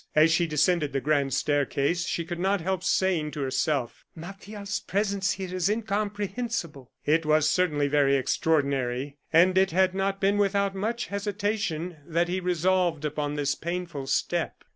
As she descended the grand staircase, she could not help saying to herself: "Martial's presence here is incomprehensible." It was certainly very extraordinary; and it had not been without much hesitation that he resolved upon this painful step.